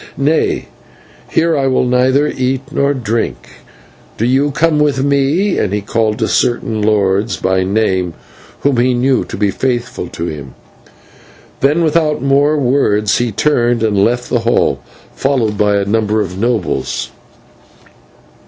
Nay, here I will neither eat nor drink. Do you come with me," and he called to certain lords by name whom he knew to be faithful to him. Then, without more words, he turned and left the hall, followed by a number of the nobles.